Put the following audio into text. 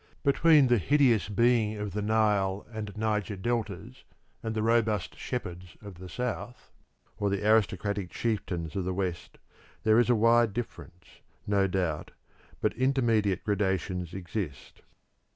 Between the hideous being of the Nile and Niger deltas and the robust shepherds of the south, or the aristocratic chieftains of the west, there is a wide difference, no doubt but intermediate gradations exist.